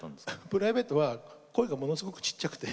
プライベートは声がものすごくちっちゃくて。